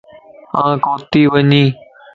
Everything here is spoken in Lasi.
آن ڪوتي وڃين